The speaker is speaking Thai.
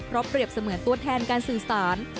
เพราะเปรียบเสมือนตัวแทนการสื่อสาร